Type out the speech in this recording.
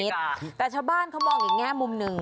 แต่ชาวบ้านเขามองอีกแง่มุมหนึ่ง